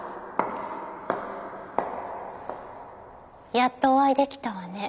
やっとお会いできたわね